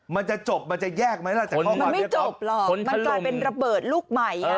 มันจะจบมันจะแยกไหมล่ะแต่ข้อมูลมันไม่จบหรอกมันกลายเป็นระเบิดลูกใหม่อ่ะ